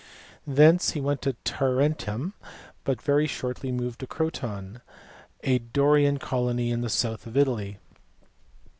Thence he went to Tarentum, but very shortly moved to Croton, a Dorian colony in the south of Italy.